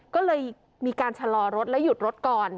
ก็เลยมีการชะลอรถและหยุดรถก่อน